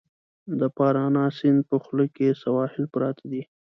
د پارانا سیند په خوله کې سواحل پراته دي.